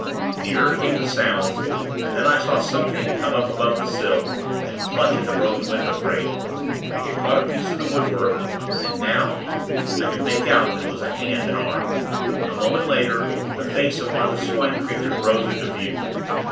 Nearer came the sounds, and then I saw something come up above the sill, and clutch at the broken window frame. It caught a piece of the woodwork; and, now, I could make out that it was a hand and arm. A moment later, the face of one of the Swine creatures rose into view.